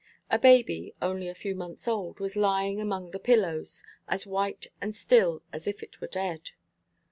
A baby, only a few months old, was lying among the pillows, as white and still as if it were dead.